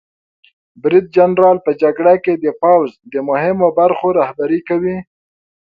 برید جنرال په جګړه کې د پوځ د مهمو برخو رهبري کوي.